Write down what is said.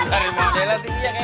jangan lupa ya